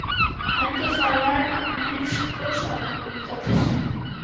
Hai que falar máis cos agricultores.